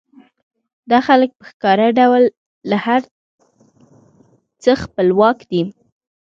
دا خلک په ښکاره ډول له هر څه خپلواک دي